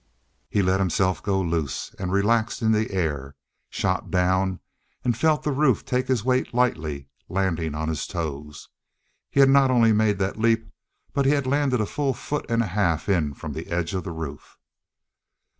He let himself go loose and relaxed in the air, shot down, and felt the roof take his weight lightly, landing on his toes. He had not only made the leap, but he had landed a full foot and a half in from the edge of the roof.